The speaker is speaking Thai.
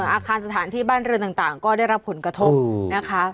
อาคารสถานที่บ้านเรือนต่างก็ได้รับผลกระทบนะคะ